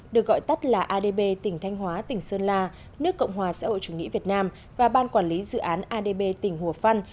được gọi tắt là adb tỉnh thanh hóa tỉnh sơn la nước cộng hòa xã hội chủ nghĩa việt nam và ban quản lý dự án adb tỉnh hồ văn